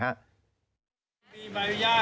คือวันที่เกลียดเขาก็ไม่มาร่วมรายการแล้ว